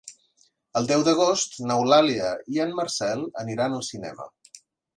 El deu d'agost n'Eulàlia i en Marcel aniran al cinema.